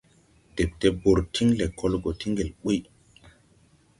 Dɛpte bɔr tiŋ lɛkɔl gɔ ti ŋgel ɓuy.